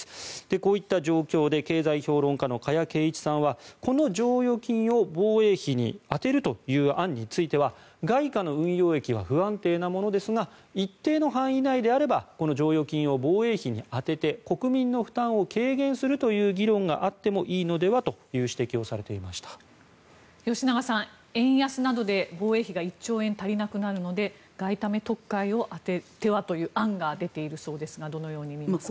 こういった状況で経済評論家の加谷珪一さんはこの剰余金を防衛費に充てるという案については外貨の運用益は不安定なものですが一定の範囲内であればこの剰余金を防衛費に充てて国民の負担を軽減するという議論があってもいいのではという吉永さん、円安などで防衛費が１兆円足りなくなるので外為特会を充ててはという案が出ているそうですがどのように見ますか。